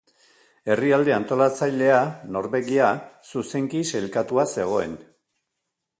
Herrialde antolatzailea, Norvegia, zuzenki sailkatua zegoen.